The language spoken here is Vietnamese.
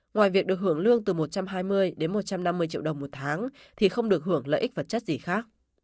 ngoài việc được hưởng lương từ một trăm hai mươi đến một trăm năm mươi triệu đồng một tháng thì không được hưởng lợi ích vật chất gì khác